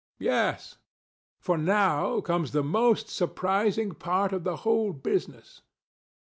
DON JUAN. Yes; for now comes the most surprising part of the whole business.